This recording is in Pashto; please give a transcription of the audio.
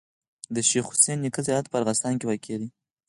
د شيخ حسن نیکه زیارت په ارغستان کي واقع دی.